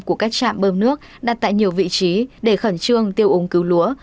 của các trạm bơm nước đặt tại nhiều vị trí để khẩn trương tiêu úng cứu lúa